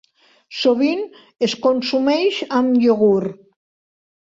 Sovint es consumeix amb iogurt.